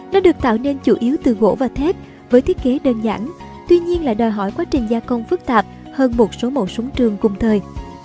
nó được tạo nên chủ yếu từ gỗ và thép với thiết kế đơn giản tuy nhiên lại đòi hỏi quá trình gia công phức tạp hơn một số mẫu súng trường cùng thời